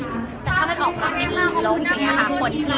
แต่ถ้าเป็นออกมาในโลกนี้นะคะ